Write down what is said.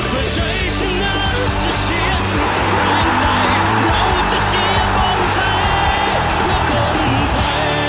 โปรดติดตามตอนต่อไป